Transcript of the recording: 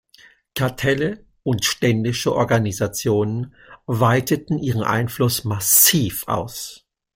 Kartelle und ständische Organisationen weiteten ihren Einfluss massiv aus.